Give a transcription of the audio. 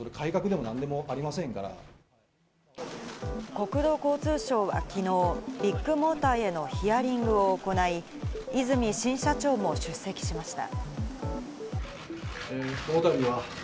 国土交通省はきのうのビッグモーターへのヒアリングを行い、和泉新社長も出席しました。